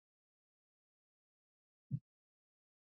بزګر مجبور و چې د مالک په ځمکه کار وکړي.